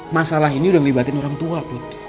masalah ini udah ngelibatin orang tua